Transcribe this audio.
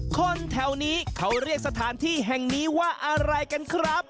คนแถวนี้เขาเรียกสถานที่แห่งนี้ว่าอะไรกันครับ